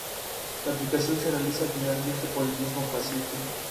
Sus frutos blancos hacen popular como planta ornamental.